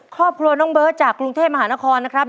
ครอบครัวน้องเบิร์ตจากกรุงเทพมหานครนะครับ